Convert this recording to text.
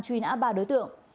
truy nã ba đối tượng